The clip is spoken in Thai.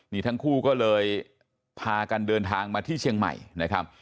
นี่ทั้งคู่ก็เลยพากันเดินทางมาที่เชียงใหม่นะครับ